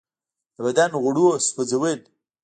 د بدن غوړو سوځول.